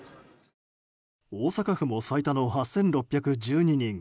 大阪府も最多の８６１２人。